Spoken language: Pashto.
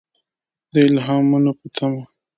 د الهامونو په تمه.